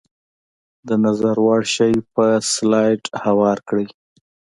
د نظر وړ شی په سلایډ هوار کړئ.